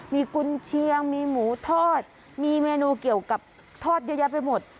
มีกุญเชียงมีหมูทอดมีเมนูเกี่ยวกับทอดเยอะแยะไปหมด